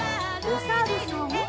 おさるさん。